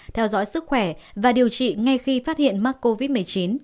theo dõi sức khỏe và điều trị ngay khi phát hiện mắc covid một mươi chín